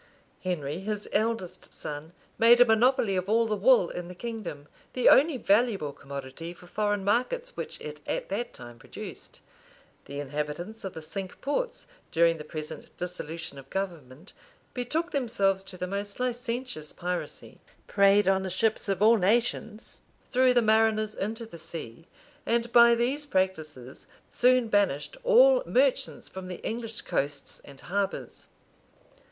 Henry, his eldest son, made a monopoly of all the wool in the kingdom, the only valuable commodity for foreign markets which it at that time produced.[] The inhabitants of the cinque ports, during the present dissolution of government, betook themselves to the most licentious piracy, preyed on the ships of all nations, threw the mariners into the sea, and by these practices, soon banished all merchants from the English coasts and harbors.